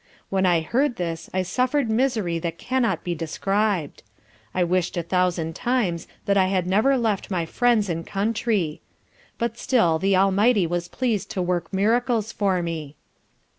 When I heard this I suffered misery that cannot be described. I wished a thousand times that I had never left my friends and country. But still the Almighty was pleased to work miracles for me.